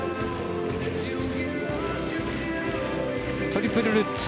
トリプルルッツ。